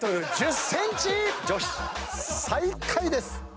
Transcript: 最下位です。